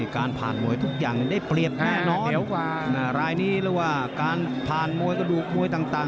การผ่านมวยกระดูกมวยต่าง